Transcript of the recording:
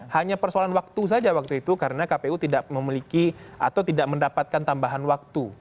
hanya persoalan waktu saja waktu itu karena kpu tidak memiliki atau tidak mendapatkan tambahan waktu